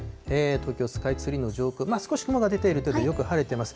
東京スカイツリーの上空、少し雲が出ている程度で、よく晴れてます。